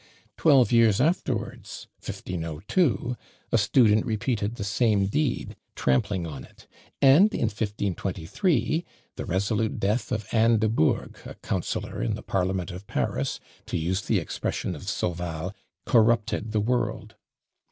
Twelve years afterwards, 1502, a student repeated the same deed, trampling on it; and in 1523, the resolute death of Anne de Bourg, a counsellor in the parliament of Paris, to use the expression of Sauval, "corrupted the world."